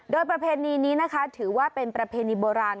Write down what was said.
โดยประเพณีนี้ถือเป็นประเพณีโบราณ